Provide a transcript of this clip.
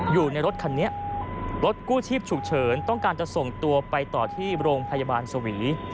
อยู่ในรถคันนี้รถกู้ชีพฉุกเฉินต้องการจะส่งตัวไปต่อที่โรงพยาบาลสวี